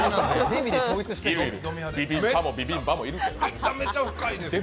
めちゃめちゃ深いですね。